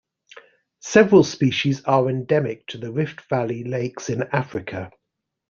Several species are endemic to the Rift Valley lakes in Africa.